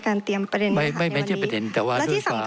ไม่เป็นประเด็นสำคัญก็ว่าคิดว่า